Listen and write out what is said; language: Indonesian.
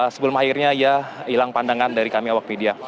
sebelum akhirnya ia hilang pandangan dari kami awak media